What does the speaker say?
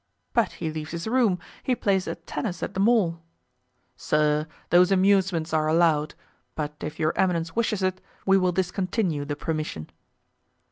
"But he leaves his room, he plays at tennis at the Mall?" "Sir, those amusements are allowed; but if your eminence wishes it, we will discontinue the permission."